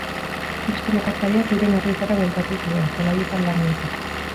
Beste nekazariak euren herrietara bueltatu ziren, zelaietan lan egiteko.